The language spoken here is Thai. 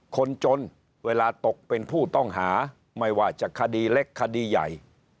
คนจนเวลาตกเป็นผู้ต้องหาไม่ว่าจะคดีเล็กคดีใหญ่